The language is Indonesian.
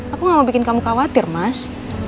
aku gak mau bikin kamu khawatir mas